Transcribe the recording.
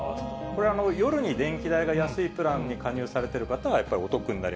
これ、夜に電気代が安いプランに加入されている方は、やっぱりお得にな